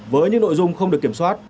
với những nội dung không được kiểm soát